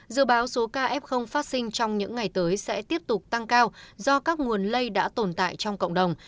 dự báo số ca f phát sinh trong những ngày tới sẽ tiếp tục tăng cao do các nguồn lây đã tồn tại trong cộng đồng